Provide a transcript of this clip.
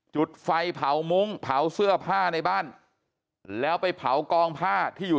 จุดไฟเผามุ้งเผาเสื้อผ้าในบ้านแล้วไปเผากองผ้าที่อยู่